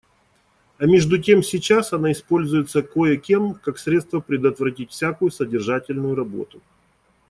А между тем сейчас она используется кое-кем как средство предотвратить всякую содержательную работу.